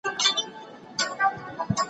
موږ چي ول دا کور به نوی جوړ سي